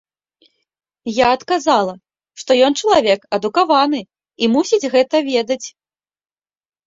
Я адказала, што ён чалавек адукаваны, і мусіць гэта ведаць.